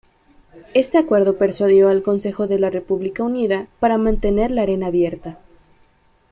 Este acuerdo persuadió al Consejo de la República Unida para mantener la Arena abierta.